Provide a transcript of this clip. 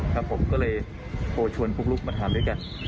ครับผมก็เลยโปรดชวนพวกลูกมาถามด้วยกัน